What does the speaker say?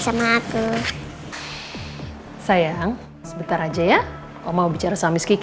apa ada sesuatu yang gak bisa aku jelasin